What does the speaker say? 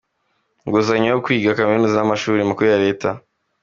inguzanyo yo kwiga kaminuza n’amashuri makuru ya leta.